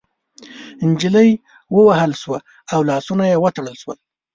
نجلۍ ووهل شوه او لاسونه يې وتړل شول.